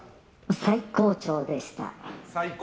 最高潮でした。